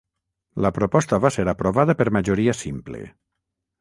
La proposta va ser aprovada per majoria simple.